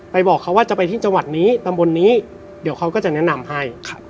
บอกเขาว่าจะไปที่จังหวัดนี้ตำบลนี้เดี๋ยวเขาก็จะแนะนำให้